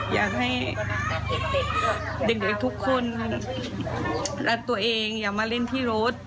อยากให้เด็กทุกคนรักตัวเองอย่ามาเล่นที่รถ